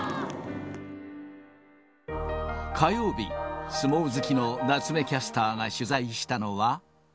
火曜日、相撲好きの夏目キャスターが取材したのは。